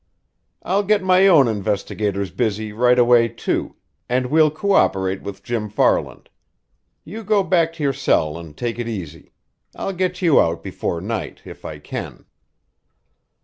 I'll get my own investigators busy right away, too, and we'll coöperate with Jim Farland. You go back to your cell and take it easy. I'll get you out before night, if I can."